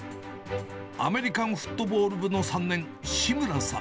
アメリカンフットボール部の３年、志村さん。